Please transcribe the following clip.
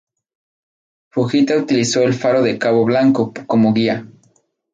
Fujita utilizó el Faro de Cabo Blanco, como guía.